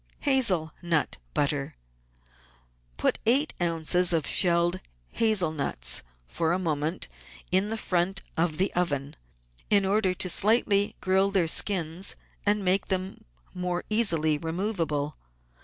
15s— HAZEL NUT BUTTER Put eight oz. of shelled hazel nuts, for a moment, in the front of the oven, in order to slightly grill their skins and make them easily removable.